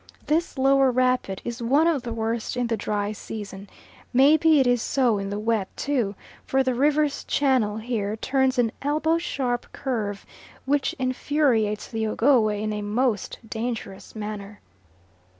This lower rapid is one of the worst in the dry season; maybe it is so in the wet too, for the river's channel here turns an elbow sharp curve which infuriates the Ogowe in a most dangerous manner.